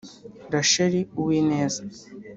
Rachel Uwineza